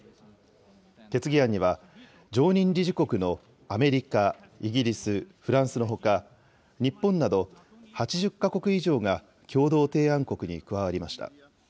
決議案には、常任理事国のアメリカ、イギリス、フランスのほか、日本など８０か国以上が共同提案国に加わりました。